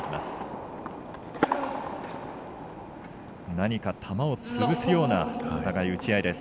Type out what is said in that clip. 何か球をつぶすようなお互い、打ち合いです。